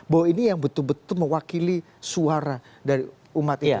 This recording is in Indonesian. bahwa ini yang betul betul mewakili suara dari umat ini